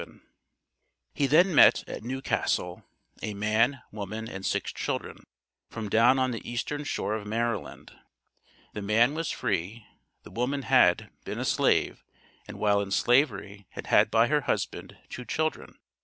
He then met, at New Castle, a man, woman, and six children, from down on the Eastern Shore of Maryland. The man was free, the woman had, been a slave, and while in Slavery had had by her husband, two children.